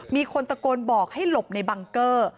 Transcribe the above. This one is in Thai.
มีคนตะโกนบอกให้หลบในบังเกอร์